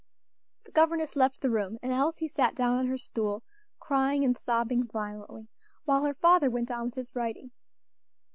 The governess left the room, and Elsie sat down on her stool, crying and sobbing violently, while her father went on with his writing.